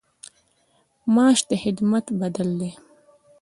معاش د خدمت بدل دی